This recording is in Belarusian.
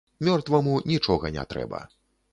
Мёртваму нічога не трэба.